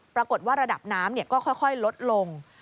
ปรากฏว่าระดับน้ำก็ค่อยลดลง